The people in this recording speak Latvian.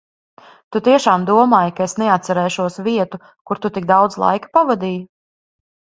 Tu tiešām domāji, ka es neatcerēšos vietu, kur tu tik daudz laika pavadīji?